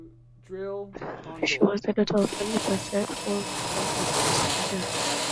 She was the daughter of Philip Basset, who had also served as Justiciar.